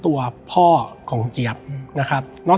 และวันนี้แขกรับเชิญที่จะมาเชิญที่เรา